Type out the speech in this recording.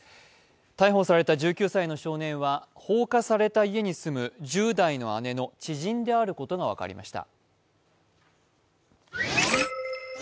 逮捕された１９歳の少年は放火された家に住む１０代の姉の知人であることが分かりました。